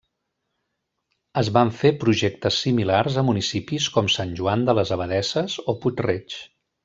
Es van fer projectes similars a municipis com Sant Joan de les Abadesses o Puig-Reig.